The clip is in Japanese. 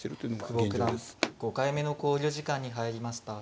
久保九段５回目の考慮時間に入りました。